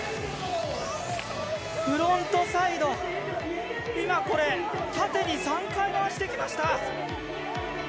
フロントサイド、今これ縦に３回、回してきました。